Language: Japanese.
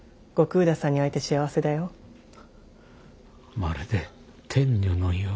まるで天女のよう。